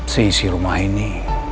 sisi rumah ini